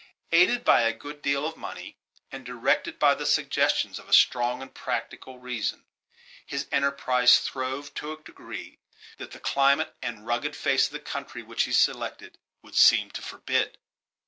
Aided by a good deal of money, and directed by the suggestions of a strong and practical reason, his enterprise throve to a degree that the climate and rugged face of the country which he selected would seem to forbid.